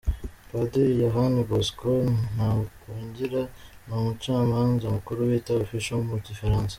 Padiri Yohani Bosco Ntagungira ni umucamanza mukuru bita « Official » mu gifaransa.